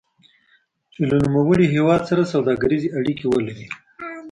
چې له نوموړي هېواد سره سوداګریزې اړیکې ولري.